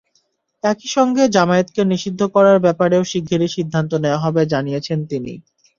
একই সঙ্গে জামায়াতকে নিষিদ্ধ করার ব্যাপারেও শিগগিরই সিদ্ধান্ত নেওয়া হবে জানিয়েছেন তিনি।